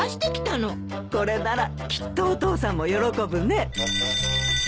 これならきっとお父さんも喜ぶね。